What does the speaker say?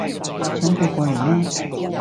搶佢過嚟咩